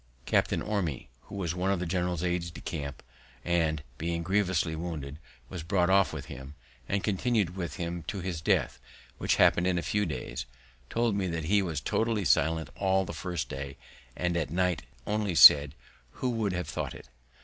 Captain Orme, who was one of the general's aids de camp, and, being grievously wounded, was brought off with him, and continu'd with him to his death, which happen'd in a few days, told me that he was totally silent all the first day, and at night only said, "_Who would have thought it?